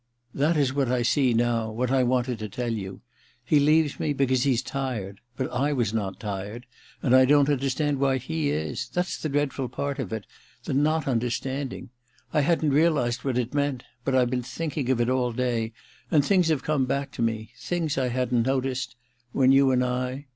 * That is what I see now ... what I wanted to tell you. He leaves me because he's tired ... but / was not tired ; and I don't understand why he is. That's the dreadful part of it — ^the Ill THE RECKONING 231 not understanding : I hadn't realized what it meant. But I've been thinking of it all day, and things have come back to me — things I hadn't noticed ... when you and I